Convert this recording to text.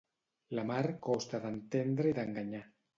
La mar costa d'entendre i d'enganyar.